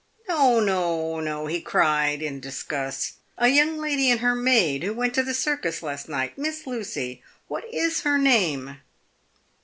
" JSTo, no," he cried, in disgust ;" a young lady and her maid who went to the circus last night; Miss Lucy what is her name